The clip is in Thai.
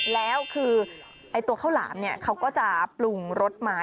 แล้วคือตัวข้าวหลามเนี่ยเขาก็จะปรุงรสมา